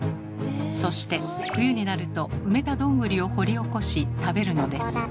そして冬になると埋めたどんぐりを掘り起こし食べるのです。